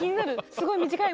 すごい短い。